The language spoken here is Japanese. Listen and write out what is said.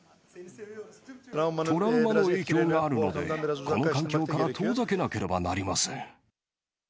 トラウマの影響があるので、この環境から遠ざけなければなりません。